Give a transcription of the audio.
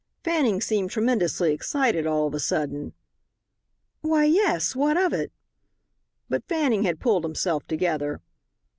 Fanning seemed tremendously excited all of a sudden. "Why, yes. What of it?" But Fanning had pulled himself together.